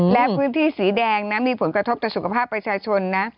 และพื้นที่สีแดงนะมีผลกระทบต่อสุขภาพประชาชนนะ